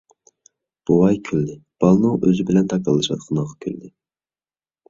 بوۋاي كۈلدى، بالىنىڭ ئۆزى بىلەن تاكاللىشىۋاتقىنىغا كۈلدى.